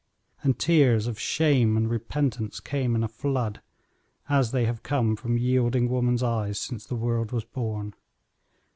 And tears of shame and repentance came in a flood, as they have come from yielding woman's eyes since the world was born.